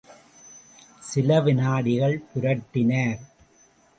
சில வினாடிகள் புரட்டினார்.